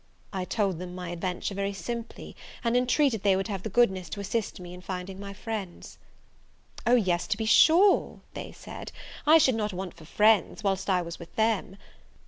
I told them my adventure very simply, and intreated they would have the goodness to assist me in finding my friends. O yes, to be sure, they said, I should not want for friends, whilst I was with them.